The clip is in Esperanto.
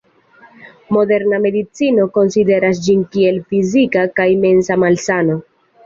Moderna medicino konsideras ĝin kiel fizika kaj mensa malsano.